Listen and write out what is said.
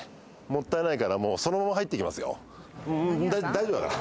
大丈夫だから。